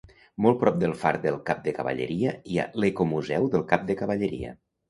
Molt prop del far del Cap de Cavalleria hi ha l'Ecomuseu del Cap de Cavalleria.